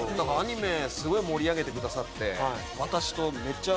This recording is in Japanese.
だからアニメすごい盛り上げてくださって。